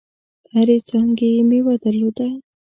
هرې څانګي یې مېوه درلوده .